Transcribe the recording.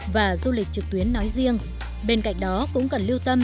và du lịch trực tuyến nói riêng bên cạnh đó cũng cần lưu tâm